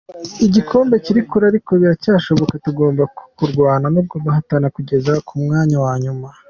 Igikombe kiri kure ariko biracyashoboka, tugomba kurwana tugahatana kugeza ku mwuka wa nyuma.